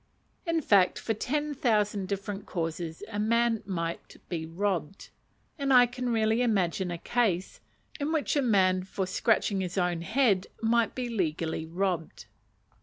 In fact, for ten thousand different causes a man might be robbed; and I can really imagine a case in which a man for scratching his own head might be legally robbed.